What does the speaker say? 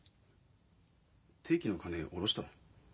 定期の金下ろしたろ？